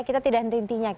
kita tidak henti hentinya